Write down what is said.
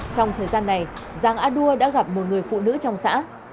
trong thời gian này giàng a đua đã gặp một người phụ nữ trong xã